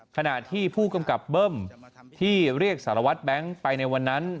ขณะที่ผู้กำกับเบิ้มที่เรียกสารวัตรแบงค์ไปในวันนั้น